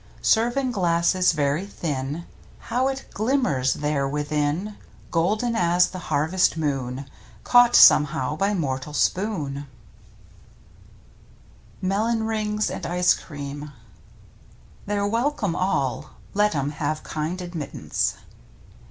Serve in glasses very thin — How it glimmers there within. Golden as the Harvest Moon Caught somehow by mortal spoon. *fev 20 ^fS> i^tismtli Mtttiptn >5P MELON RINGS AND ICE CREAM They're welcome all, let 'em have kind admittance.